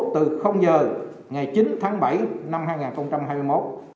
từ giờ ngày chín tháng bảy năm hai nghìn hai mươi một